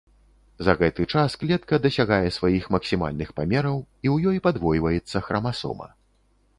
За гэты час клетка дасягае сваіх максімальных памераў, і ў ёй падвойваецца храмасома.